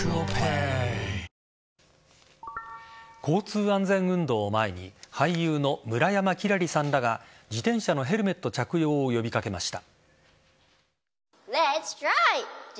イ交通安全運動を前に俳優の村山輝星さんらが自転車のヘルメット着用を呼び掛けました。